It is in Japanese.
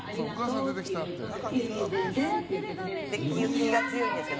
気が強いんですよ。